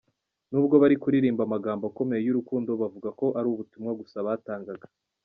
Nubwo bari kuririmba amagambo akomeye y’urukundo, bavuga ko ari ubutumwa gusa batangaga.